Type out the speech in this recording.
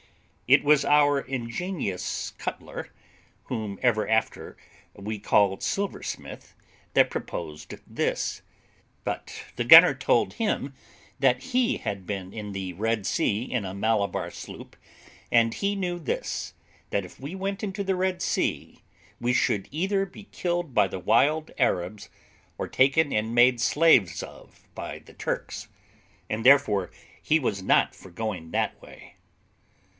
It was our ingenious cutler, whom ever after we called silversmith, that proposed this; but the gunner told him, that he had been in the Red Sea in a Malabar sloop, and he knew this, that if we went into the Red Sea, we should either be killed by the wild Arabs, or taken and made slaves of by the Turks; and therefore he was not for going that way.